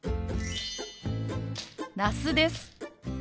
那須です。